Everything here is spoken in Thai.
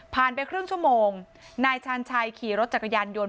ไปครึ่งชั่วโมงนายชาญชัยขี่รถจักรยานยนต์